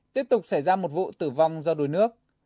tiếp tục xảy ra một vụ tử vong do đuối nước